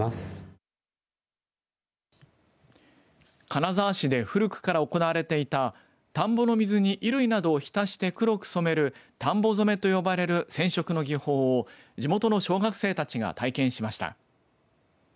金沢市で古くから行われていた田んぼの水に衣類などを浸して黒く染める田んぼ染めと呼ばれる染色の技法を地元の小学生たちが体験しました。